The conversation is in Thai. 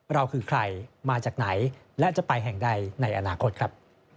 เราคือใครมาจากไหนและจะไปแห่งใดในอนาคตครับ